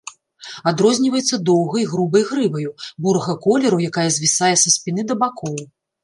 Адрозніваецца доўгай, грубай грываю, бурага колеру, якая звісае са спіны да бакоў.